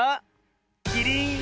キリン！